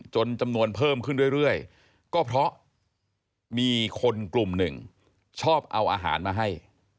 จำนวนเพิ่มขึ้นเรื่อยก็เพราะมีคนกลุ่มหนึ่งชอบเอาอาหารมาให้